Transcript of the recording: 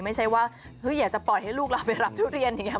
ไม่ใช่ว่าอยากจะปล่อยให้ลูกเราไปรับทุเรียนอย่างนี้